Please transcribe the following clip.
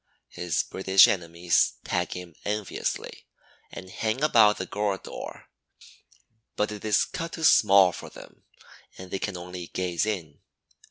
His British enemies tag him enviously and hang about the gourd door; but it is cut too small for them and they can only gaze in.